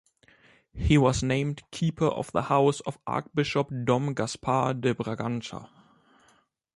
He was named keeper of the house of Archbishop Dom Gaspar de Bragança.